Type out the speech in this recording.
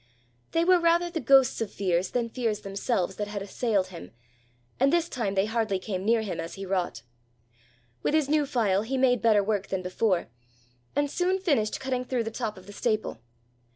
They were rather the ghosts of fears than fears themselves that had assailed him, and this time they hardly came near him as he wrought. With his new file he made better work than before, and soon finished cutting through the top of the staple.